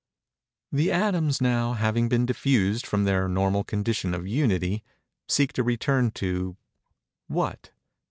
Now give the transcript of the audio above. The atoms, now, having been diffused from their normal condition of Unity, seek to return to——what?